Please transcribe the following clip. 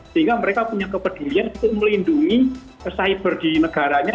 sehingga mereka punya kepedulian untuk melindungi cyber di negaranya